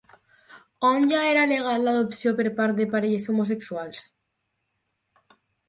On ja era legal l'adopció per part de parelles homosexuals?